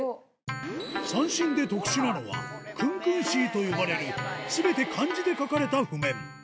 三線で特殊なのは「工工四」と呼ばれる全て漢字で書かれた譜面